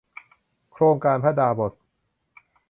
โครงการพระดาบส